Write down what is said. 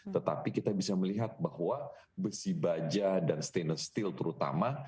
tetapi kita bisa melihat bahwa besi baja dan stainless steel terutama